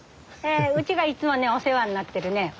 うちがいつもお世話になってるね